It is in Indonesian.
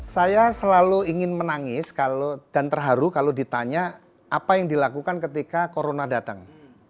saya selalu ingin menangis dan terharu kalau ditanya apa yang dilakukan ketika corona datang